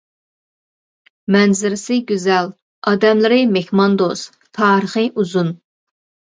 مەنزىرىسى گۈزەل، ئادەملىرى مېھماندوست، تارىخى ئۇزۇن.